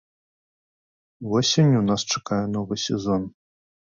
Восенню нас чакае новы сезон.